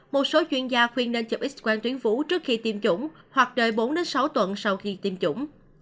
một số chuyên gia khuyên nên chụp x quen tuyến phố trước khi tiêm chủng hoặc đợi bốn sáu tuần sau khi tiêm chủng